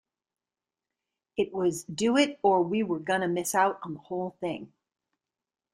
It was do it or we were gonna miss out on the whole thing.